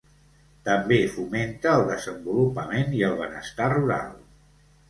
També fomenta el desenvolupament i el benestar rural.